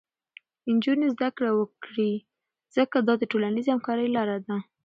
نجونې زده کړه وکړي، ځکه دا د ټولنیزې همکارۍ لاره ده.